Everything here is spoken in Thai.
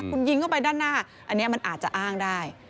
คุณยิงเข้าไปด้านหน้าอันนี้มันอาจจะอ้างได้